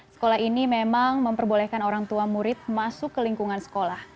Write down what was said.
sekolah ini memang memperbolehkan orang tua murid masuk ke lingkungan sekolah